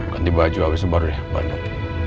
ganti baju abis itu baru deh bang